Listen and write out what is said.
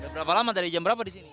berapa lama dari jam berapa disini